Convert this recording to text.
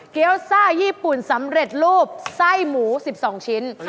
เกี้ยวซ่าญี่ปุ่นสำเร็จรูปไส้หมู๑๒ชิ้น